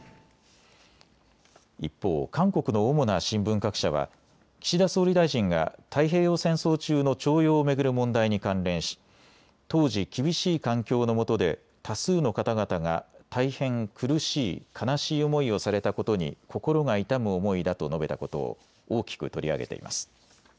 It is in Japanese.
一方、韓国の主な新聞各社は岸田総理大臣が太平洋戦争中の徴用を巡る問題に関連し当時、厳しい環境のもとで多数の方々が大変苦しい悲しい思いをされたことに心が痛む思いだと述べたことを大きく取り上げています。